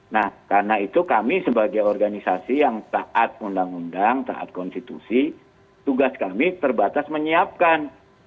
nah karena itu kami sebagai organisasi yang taat undang undang taat konstitusi tugas kami terbatas menyiapkan